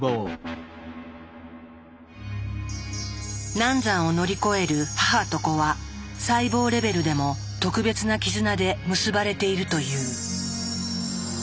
難産を乗り越える母と子は細胞レベルでも特別な絆で結ばれているという。